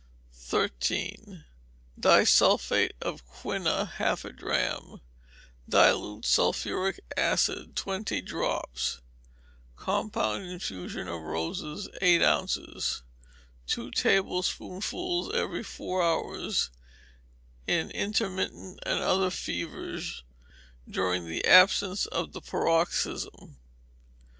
13. Disulphate of quina, half a drachm; dilute sulphuric acid, twenty drops; compound infusion of roses, eight ounces: two tablespoonfuls every four hours, in intermittent and other fevers, during the absence of the paroxysm.